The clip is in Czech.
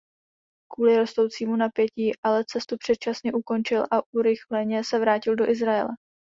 Kvůli rostoucímu napětí ale cestu předčasně ukončil a urychleně se vrátil do Izraele.